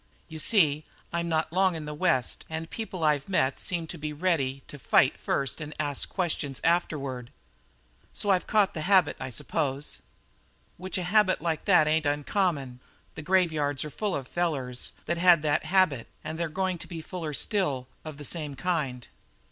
You see, I'm not long in the West, and the people I've met seem to be ready to fight first and ask questions afterward. So I've caught the habit, I suppose." "Which a habit like that ain't uncommon. The graveyards are full of fellers that had that habit and they're going to be fuller still of the same kind."